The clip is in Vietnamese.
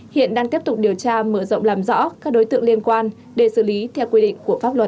hiện đang tiếp tục điều tra mở rộng làm rõ các đối tượng liên quan để xử lý theo quy định của pháp luật